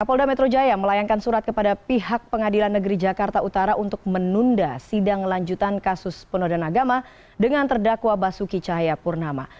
polda metro jaya melayangkan surat kepada pihak pengadilan negeri jakarta utara untuk menunda sidang lanjutan kasus penodaan agama dengan terdakwa basuki cahayapurnama